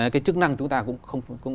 cái chức năng chúng ta cũng không